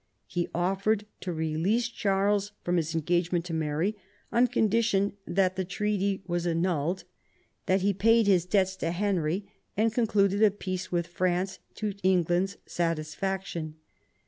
He offered to release Charles from his engagement to Mary on condition that the treaty was annulled, that he paid his debts to Henry, and concluded a peace with France to England's satisfaction.